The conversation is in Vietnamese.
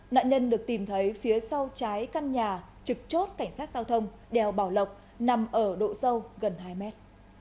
nạn nhân được tìm thấy phía sau trái căn nhà trực chốt cảnh sát giao thông đèo bảo lộc nằm ở độ sâu gần hai mét